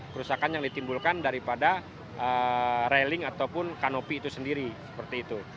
kerusakan yang ditimbulkan daripada railing ataupun kanopi itu sendiri seperti itu